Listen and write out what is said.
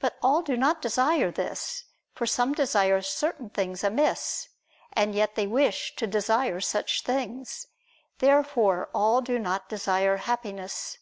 But all do not desire this; for some desire certain things amiss, and yet they wish to desire such things. Therefore all do not desire Happiness.